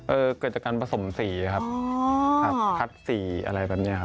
เกิดจากการผสมสีครับผักคัดสีอะไรแบบนี้ครับ